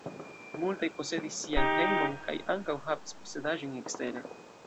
Multaj posedis sian hejmon kaj ankaŭ havis posedaĵojn ekstere.